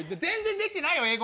全然できてないよ